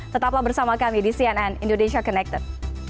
tetaplah bersama kami di cnn indonesia connected